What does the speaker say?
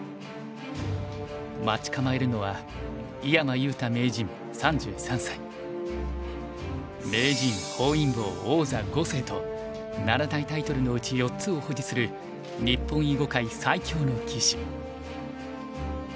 待ち構えるのは七大タイトルのうち４つを保持する日本囲碁界最強の棋士。